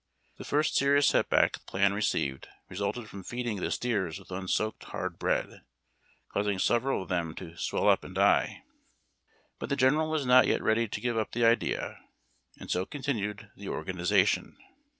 The first serious set back the plan received resulted from feeding the steers with unsoaked hard bread, causing several of them to swell up and die ; but the general was not yet ready to give up the idea, and so continued the organization.